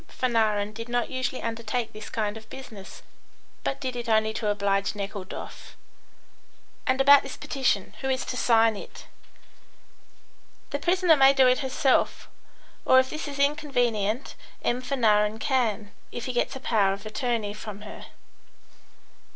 Fanarin did not usually undertake this kind of business, but did it only to oblige Nekhludoff. "And about this petition. Who is to sign it?" "The prisoner may do it herself, or if this is inconvenient, M. Fanarin can, if he gets a power of attorney from her."